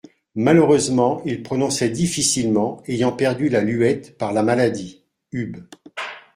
Malheureusement il prononçait difficilement, ayant perdu la luette par la maladie.» (Hub.